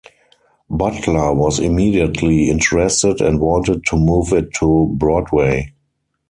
Butler was immediately interested and wanted to move it to Broadway.